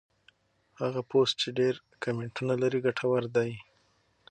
هغه پوسټ چې ډېر کمنټونه لري ګټور دی.